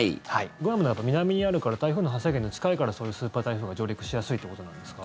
グアムだと南にあるから台風の発生源と近いからそういうスーパー台風が上陸しやすいってことですか？